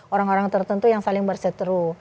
orang orang tertentu yang saling berseteru